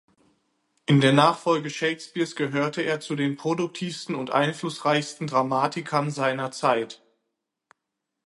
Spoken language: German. In der Nachfolge Shakespeares gehörte er zu den produktivsten und einflussreichsten Dramatikern seiner Zeit.